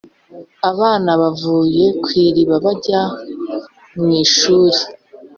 - abana bavuye ku iriba bajya mu ishuri.